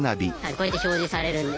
こうやって表示されるんです。